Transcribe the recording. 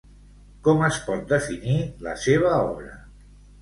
Com es pot definir la seva obra?